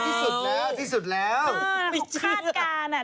อันนี้ก็ที่สุดแล้วที่สุดแล้วอ่าหกข้านการอ่ะ